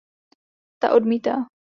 Ta odmítá.